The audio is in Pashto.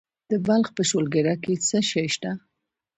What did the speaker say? د بلخ په شولګره کې څه شی شته؟